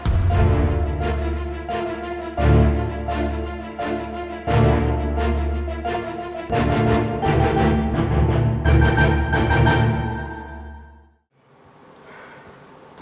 dan dia bilang ke aku